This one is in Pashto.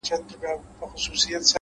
هر منزل له یوې پرېکړې پیلېږي،